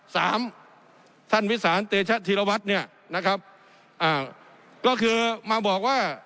สามท่านวิสานเตชะธีรวัตรเนี่ยนะครับอ่าก็คือมาบอกว่า